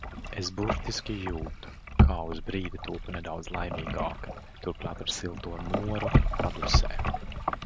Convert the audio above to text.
Es burtiski jūtu, kā uz brīdi topu nedaudz laimīgāka, turklāt ar silto Noru padusē.